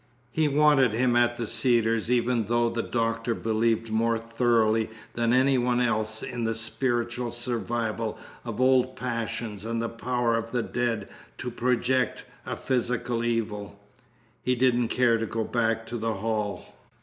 He wanted him at the Cedars even though the doctor believed more thoroughly than any one else in the spiritual survival of old passions and the power of the dead to project a physical evil. He didn't care to go back to the hall.